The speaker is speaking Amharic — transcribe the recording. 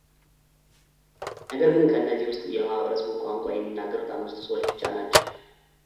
ነገር ግን ከእነዚህ ውስጥ የማኅበረሰቡብ ቋንቋ የሚናገሩት አምስቱ ሰዎች ብቻ ናቸው።